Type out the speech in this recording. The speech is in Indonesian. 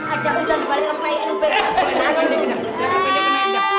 ada udang dibalik rempah ya